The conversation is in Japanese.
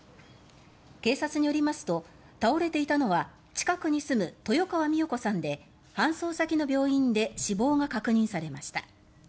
警察によりますと倒れていたのは近くに住む豊川美代子さんで搬送先の病院で死亡が確認されました。